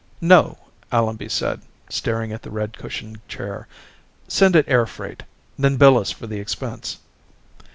"No," Allenby said, staring at the red cushioned chair. "Send it air freight. Then bill us for the expense."